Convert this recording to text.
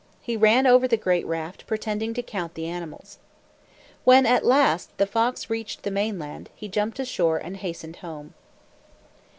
He ran over the great raft, pretending to count the animals. When at last the fox reached the mainland, he jumped ashore and hastened home.